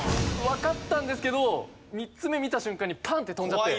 わかったんですけど３つ目見た瞬間にパーンッて飛んじゃって。